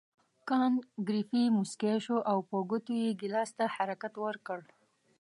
کانت ګریفي مسکی شو او په ګوتو یې ګیلاس ته حرکت ورکړ.